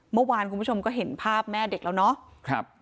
เมื่อวานคุณผู้ชมก็เห็นภาพแม่เด็กแล้วเนาะ